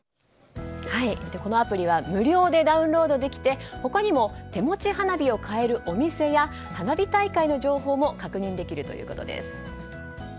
このアプリは無料でダウンロードできて他にも手持ち花火を買えるお店や花火大会の情報も確認できるということです。